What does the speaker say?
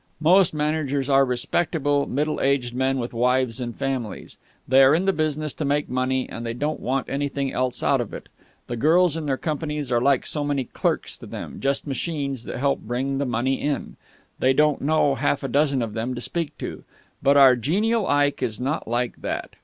Most managers are respectable, middle aged men with wives and families. They are in the business to make money, and they don't want anything else out of it. The girls in their companies are like so many clerks to them, just machines that help to bring the money in. They don't know half a dozen of them to speak to. But our genial Ike is not like that."